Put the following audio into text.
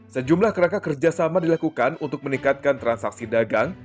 sejumlah kerangka kerjasama dilakukan untuk meningkatkan transaksi dagang